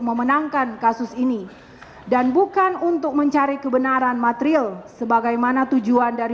memenangkan kasus ini dan bukan untuk mencari kebenaran material sebagaimana tujuan dari